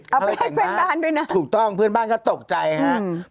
เอาไปให้เพื่อนบ้านด้วยนะถูกต้องเพื่อนบ้านก็ตกใจฮะ